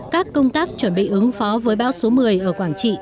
các công tác chuẩn bị ứng phó với bão số một mươi ở quảng trị